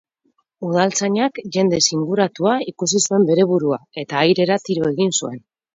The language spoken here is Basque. Udaltzainak jendez inguratua ikusi zuen bere burua eta airera tiro egin zuen.